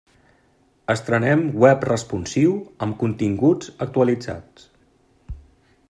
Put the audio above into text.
Estrenem web responsiu amb continguts actualitzats.